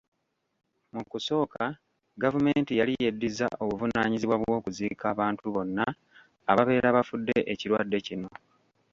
Mu kusooka gavumenti yali yeddizza obuvunaanyizibwa bw'okuziika abantu bonna ababeera bafudde ekirwadde kino.